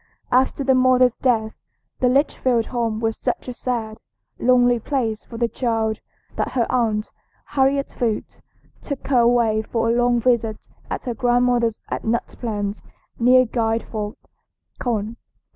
After the mother's death the Litchfield home was such a sad, lonely place for the child that her aunt, Harriet Foote, took her away for a long visit at her grandmother's at Nut Plains, near Guilford, Conn.